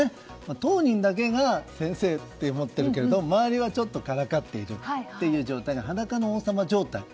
当人だけが先生と思ってるけど周りはちょっとからかっているという状態で裸の王様状態。